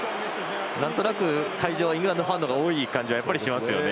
なんとなく会場はイングランドファンの方が多い感じがしますね。